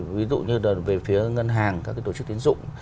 ví dụ như là về phía ngân hàng các tổ chức tiến dụng